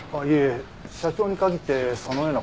社長に限ってそのような事は。